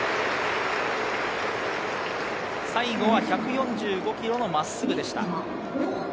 最後は１４５キロの真っすぐでした。